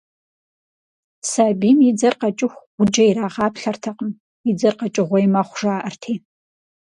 Сабийм и дзэр къэкӀыху гъуджэ ирагъаплъэртэкъым, и дзэр къэкӀыгъуей мэхъу, жаӀэрти.